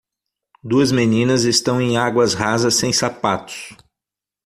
Duas meninas estão em águas rasas sem sapatos.